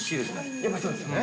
やっぱりそうですよね。